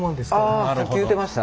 ああさっき言うてました。